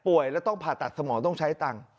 แล้วต้องผ่าตัดสมองต้องใช้ตังค์